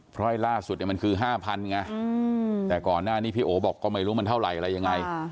เพราะไอ้ล่าสุดเนี่ยมันคือ๕๐๐ไงแต่ก่อนหน้านี้พี่โอบอกก็ไม่รู้มันเท่าไหร่อะไรยังไง